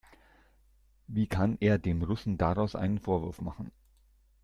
Wie kann er dem Russen daraus einem Vorwurf machen?